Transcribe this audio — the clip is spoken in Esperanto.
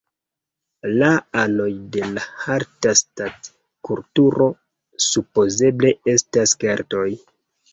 La anoj de la Hallstatt-kulturo supozeble estas keltoj.